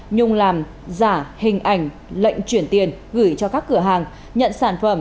nhung làm giả hình ảnh lệnh chuyển tiền gửi cho các cửa hàng nhận sản phẩm